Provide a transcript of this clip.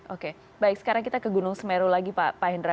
oke baik sekarang kita ke gunung semeru lagi pak hendra